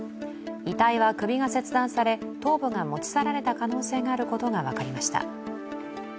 遺体は首が切断され、頭部が持ち去られた可能性があることが分かりました。